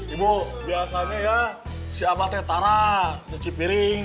ibu biasanya ya si abah tetara nyecip piring